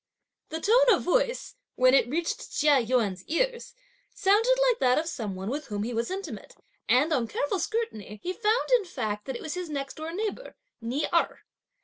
The tone of voice, when it reached Chia Yün ears, sounded like that of some one with whom he was intimate; and, on careful scrutiny, he found, in fact, that it was his next door neighbour, Ni Erh.